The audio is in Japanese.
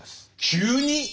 急に？